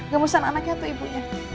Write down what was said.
gemesan anaknya atau ibunya